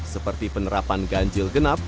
seperti penerapan ganjil genap